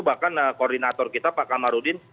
bahkan koordinator kita pak kamarudin